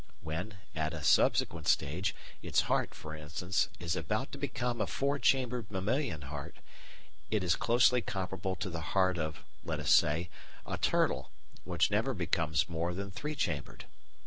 When, at a subsequent stage, its heart, for instance, is about to become a four chambered mammalian heart, it is closely comparable to the heart of, let us say, a turtle, which never becomes more than three chambered.